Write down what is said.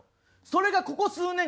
それがここ数年